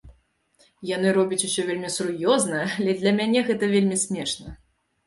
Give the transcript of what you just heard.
Яны робяць усё вельмі сур'ёзна, але для мяне гэта вельмі смешна.